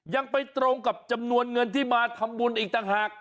ยังไปตรงกับจำนวนเงินที่มาทำบุญอีกต่างหาก